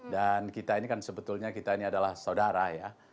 dan kita ini kan sebetulnya kita ini adalah saudara ya